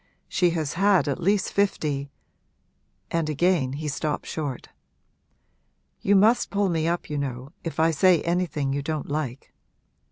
'She has had at least fifty ' And again he stopped short. 'You must pull me up, you know, if I say anything you don't like!'